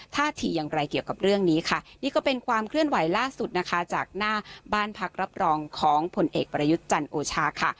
ท่าทีอย่างไรเกี่ยวกับเรื่องนี้ค่ะนี่ก็เป็นความเคลื่อนไหวล่าสุดนะคะจากหน้าบ้านพักรับรองของผลเอกประยุทธ์จันทร์โอชาค่ะ